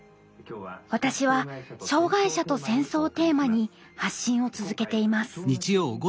私は「障害者と戦争」をテーマに発信を続けています。